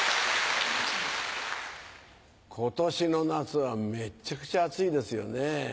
今年の夏はめっちゃくちゃ暑いですよね。